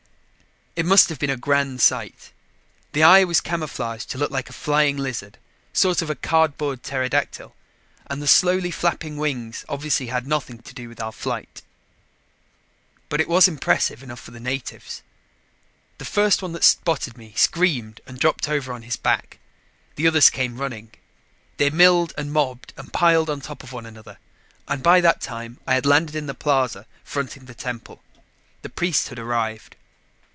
It must have been a grand sight. The eye was camouflaged to look like a flying lizard, sort of a cardboard pterodactyl, and the slowly flapping wings obviously had nothing to do with our flight. But it was impressive enough for the natives. The first one that spotted me screamed and dropped over on his back. The others came running. They milled and mobbed and piled on top of one another, and by that time I had landed in the plaza fronting the temple. The priesthood arrived.